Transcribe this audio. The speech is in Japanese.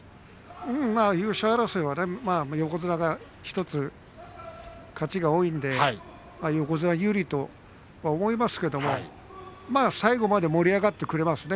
優勝争いはね、横綱が１つ勝ちが多いので横綱有利と思いますけれども最後まで盛り上がってくれますね